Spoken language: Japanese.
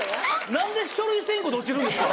何で書類選考で落ちるんですか？